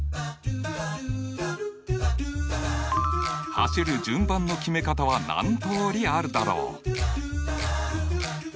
走る順番の決め方は何通りあるだろう？